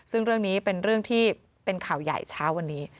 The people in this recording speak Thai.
ซึ่งเรื่องนี้เป็นเรื่องที่เป็นข่าวใหญ่เช้าวันนี้